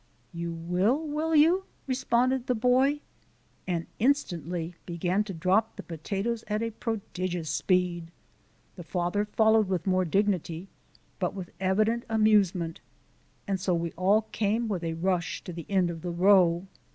"You will, will you?" responded the boy, and instantly began to drop the potatoes at a prodigious speed. The father followed with more dignity, but with evident amusement, and so we all came with a rush to the end of the row.